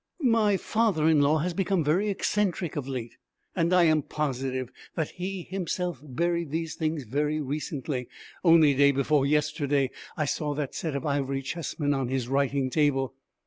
My father in law has become very eccentric of late, and I am positive that he himself buried these things very recently. Only day before yesterday, I saw that set of ivory chessmen on his writing table.'